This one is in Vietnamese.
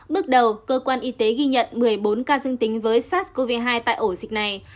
bước đầu cơ quan y tế ghi nhận một mươi bốn ca dương tính với sars cov hai tại ổ dịch này